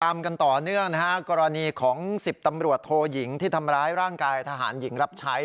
ตามกันต่อเนื่องนะฮะกรณีของ๑๐ตำรวจโทยิงที่ทำร้ายร่างกายทหารหญิงรับใช้